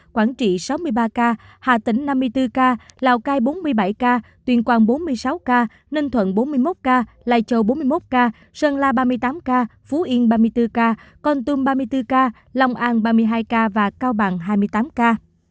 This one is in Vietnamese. quảng trị sáu mươi ba ca hà tĩnh năm mươi bốn ca lào cai bốn mươi bảy ca tuyên quang bốn mươi sáu ca ninh thuận bốn mươi một ca lai châu bốn mươi một ca sơn la ba mươi tám ca phú yên ba mươi bốn ca con tum ba mươi bốn ca long an ba mươi hai ca và cao bằng hai mươi tám ca